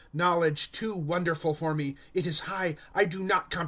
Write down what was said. ^ Knowledge too wonderful for me ! It is high, I do not comprehend it.